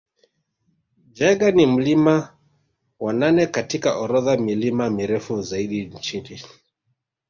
Jaeger ni mlima wa nane katika orodha milima mirefu zaidi nchini